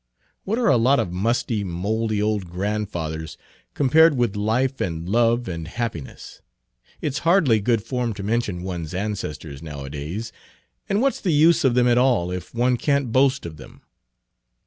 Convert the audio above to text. What are a lot of musty, mouldy old grandfathers, compared with life and love and happiness? It's hardly good form to mention one's ancestors nowadays, and what 's the use of them at all if one can't boast of them?"